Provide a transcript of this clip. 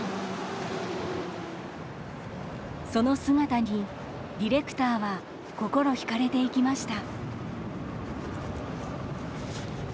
その姿にディレクターは心惹かれていきました。